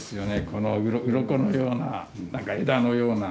このウロコのような枝のような。